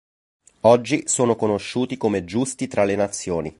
Oggi sono conosciuti come Giusti tra le nazioni.